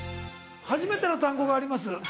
初めての単語があります